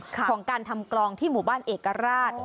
ของการทำกลองที่หมู่บ้านเอกราช